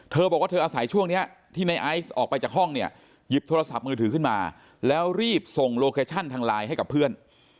เธอบอกว่าเธออาศัยช่วงนี้ที่ในไอซ์ออกไปจากห้องเนี่ยหยิบโทรศัพท์มือถือขึ้นมาแล้วรีบส่งโลเคชั่นทางไลน์ให้กับเพื่อน